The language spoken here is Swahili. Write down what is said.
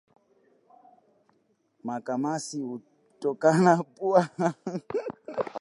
Makamasi hutoka puani wanyama wakiwa na ugonjwa wa miguu na midomo